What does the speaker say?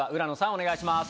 お願いします。